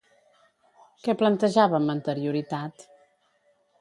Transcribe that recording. Què plantejava amb anterioritat?